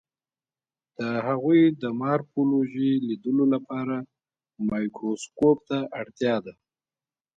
د هغوی د مارفولوژي لیدلو لپاره مایکروسکوپ ته اړتیا ده.